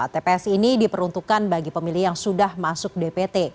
tps ini diperuntukkan bagi pemilih yang sudah masuk dpt